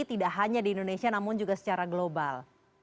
tidak hanya di indonesia namun juga secara global